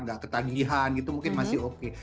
nggak ketagihan gitu mungkin masih oke